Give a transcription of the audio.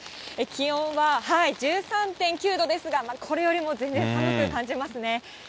気温は１３．９度ですが、これよりも全然寒く感じますね。